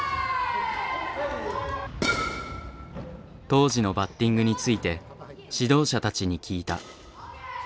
当時のバッティングについて指導者たちに聞いた。